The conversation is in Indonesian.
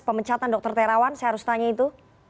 pemecatan dokter terawan saya harus tanya itu